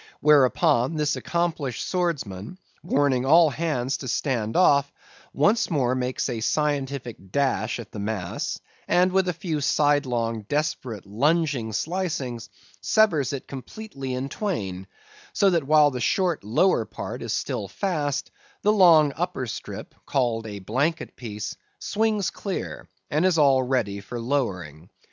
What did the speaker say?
Whereupon, this accomplished swordsman, warning all hands to stand off, once more makes a scientific dash at the mass, and with a few sidelong, desperate, lunging slicings, severs it completely in twain; so that while the short lower part is still fast, the long upper strip, called a blanket piece, swings clear, and is all ready for lowering.